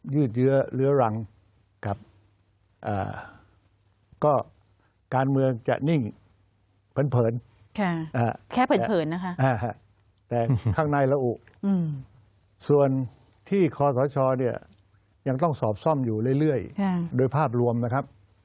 ยืดเยื้อเรื้อรังกับก็การเมืองจะนิ่งเผินแค่เผินนะคะแต่ข้างในระอุส่วนที่คอสชเนี่ยยังต้องสอบซ่อมอยู่เรื่อยโดยภาพรวมนะครับ